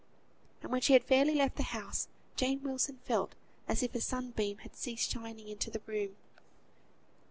And when she had fairly left the house, Jane Wilson felt as if a sun beam had ceased shining into the room.